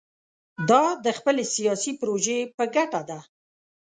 دا د خپلې سیاسي پروژې په ګټه ده.